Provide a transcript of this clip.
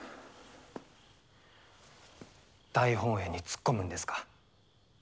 大本営に突っ込むんですか？